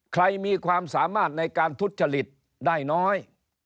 มีความสามารถในการทุจริตได้น้อย